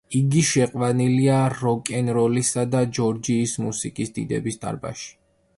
იგი შეყვანილია როკ-ენ-როლისა და ჯორჯიის მუსიკის დიდების დარბაზში.